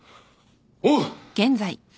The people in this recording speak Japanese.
おう！